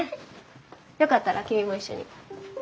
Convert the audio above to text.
よかったら君も一緒に。